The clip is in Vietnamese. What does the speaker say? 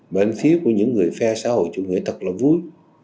bên phía của những người phe xã hội chủ nghĩa thật là vui